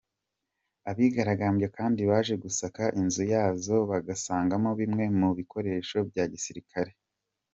Abigaragambya kandi baje gusaka inzu yazo basangamo bimwe mu bikoresho bya gisirikare.